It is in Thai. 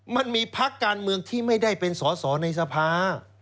มันมีพักการเมืองที่ไม่ได้เป็นสอสอในสภา